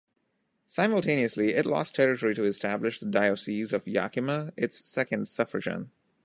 Simultaneously it lost territory to establish the Diocese of Yakima, its second suffragan.